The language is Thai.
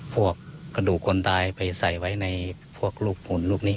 กระดูกคนตายไปใส่ไว้ในพวกลูกผลลูกนี้